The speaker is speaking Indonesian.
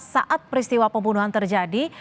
saat peristiwa pembunuhan terjadi